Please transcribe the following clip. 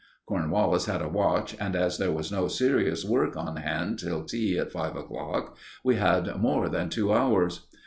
Cornwallis had a watch, and as there was no serious work on hand till tea at five o'clock, we had more than two hours.